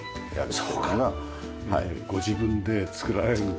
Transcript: そうかご自分で作られるんで。